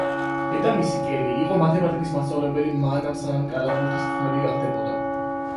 დედამისი, კელი, იყო მათემატიკის მასწავლებელი მანამ, სანამ კალათბურთის მწვრთნელი გახდებოდა.